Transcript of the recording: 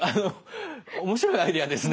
面白いアイデアですね。